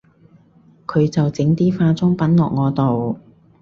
佢就整啲化妝品落我度